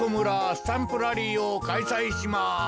スタンプラリーをかいさいします！